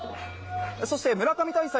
そして村上大祭